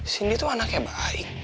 sindi tuh anaknya baik